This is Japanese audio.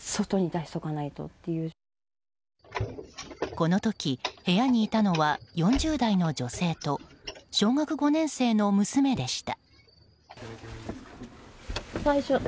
この時、部屋にいたのは４０代の女性と小学５年生の娘でした。